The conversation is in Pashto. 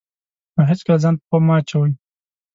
نو هېڅکله ځان په خوب مه اچوئ.